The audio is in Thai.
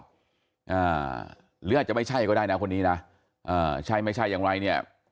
อ่าหรืออาจจะไม่ใช่ก็ได้นะคนนี้นะอ่าใช่ไม่ใช่อย่างไรเนี่ย